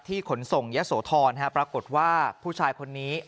ขนส่งยะโสธรปรากฏว่าผู้ชายคนนี้